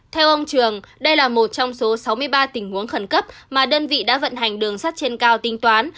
theo ông trường đây là một trong số sáu mươi ba tình huống khẩn cấp mà đơn vị đã vận hành đường sắt trên cao tính toán